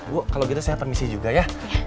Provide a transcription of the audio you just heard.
bu kalau gitu saya permisi juga ya